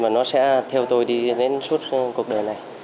và nó sẽ theo tôi đi đến suốt cuộc đời này